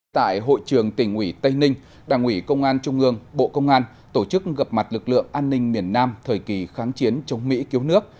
tại hội trường tỉnh ủy tây ninh đảng ủy công an trung ương bộ công an tổ chức gặp mặt lực lượng an ninh miền nam thời kỳ kháng chiến chống mỹ cứu nước